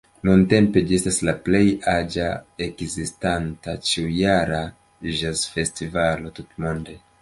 Nuntempe ĝi estas la plej aĝa ekzistanta, ĉiujara ĵazfestivalo tutmonde.